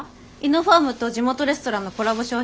イノファームと地元レストランのコラボ